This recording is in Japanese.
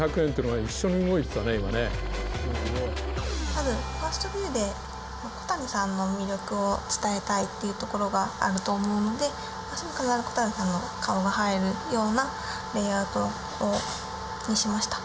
多分ファーストビューで戸谷さんの魅力を伝えたいっていうところがあると思うので必ず戸谷さんの顔が入るようなレイアウトにしました。